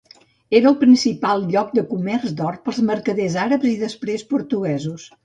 Era el principal lloc de comerç d'or pels mercaders àrabs i després portuguesos.